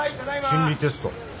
心理テスト。